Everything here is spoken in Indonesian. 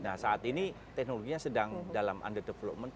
nah saat ini teknologinya sedang dalam under development